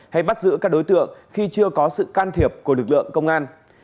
hay bắt giữ các đối tượng khi chưa có sự can thiệp của lực lượng công an